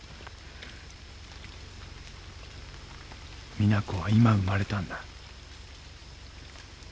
実那子は今生まれたんだ。